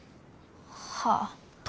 はあ。